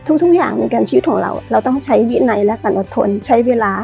ทุกอย่างในการชีวิตของเราเราต้องใช้วินัยและการอดทนใช้เวลา